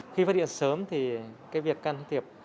khi phát triển sớm thì việc can thiệp